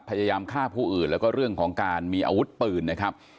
พยายามฆ่าผู้อื่นแล้วก็เรื่องของการมีอาวุธปืนนะครับ